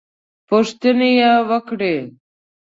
پوښتنې وکړې.